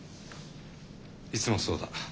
いつもそうだ。